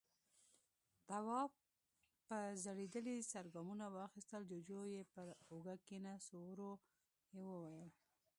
تواب په ځړېدلي سر ګامونه واخيستل، جُوجُو يې پر اوږه کېناست، ورو يې وويل: